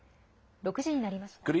６時になりました。